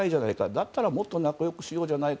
だったらもっと仲良くしようじゃないか。